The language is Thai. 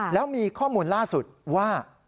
แล้วมีข้อมูลล่าสุดว่า